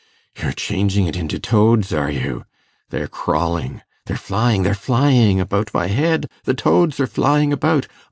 you're changing it into toads, are you? They're crawling ... they're flying ... they're flying about my head ... the toads are flying about.